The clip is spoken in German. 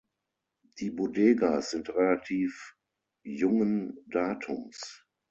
Die Bodegas sind relativ jungen Datums.